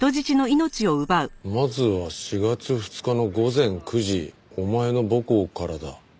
「まずは４月２日の午前９時お前の母校からだ」